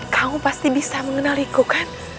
kamu pasti bisa mengenaliku kan